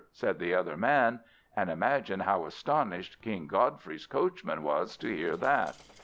said the other man; and imagine how astonished King Godfrey's coachman was to hear that.